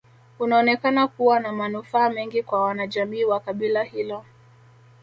Unaonekana kuwa na manufaa mengi kwa wanajamii wa kabila hilo